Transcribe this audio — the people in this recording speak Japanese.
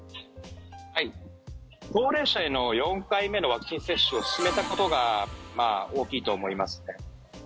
高齢者への４回目のワクチン接種を進めたことが大きいと思いますね。